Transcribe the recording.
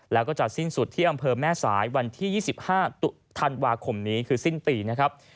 แล้วก็จะสิ้นสุดที่อำเภอแม่สายวันที่๒๕ธันวาคมนี้คือสิ้นปีนะครับ